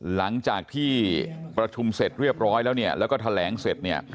หลังจากที่ประชุมเสร็จเรียบร้อยแล้วเนี่ยแล้วก็แถลงเสร็จเนี่ย